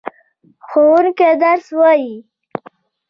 ښوونکی درس وايي.